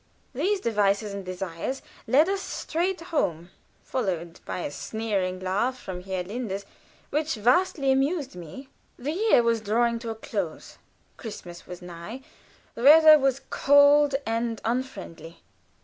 These devices and desires led us straight home, followed by a sneering laugh from Herr Linders, which vastly amused me. The year was drawing to a close. Christmas was nigh; the weather was cold and unfriendly.